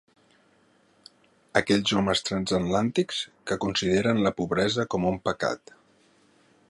Aquells homes transatlàntics que consideren la pobresa com un pecat